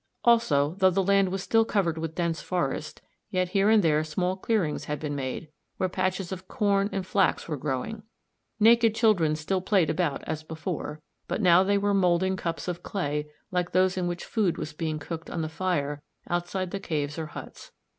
Also, though the land was still covered with dense forests, yet here and there small clearings had been made, where patches of corn and flax were growing. Naked children still played about as before, but now they were moulding cups of clay like those in which food was being cooked on the fire outside the caves or huts.